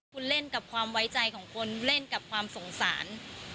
คุณเล่นกับความไว้ใจของคนเล่นกับความสงสาร